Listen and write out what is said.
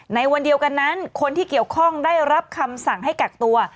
ในวันเดียวกันนั้นคนที่เกี่ยวข้องได้รับคำสั่งให้กักตัว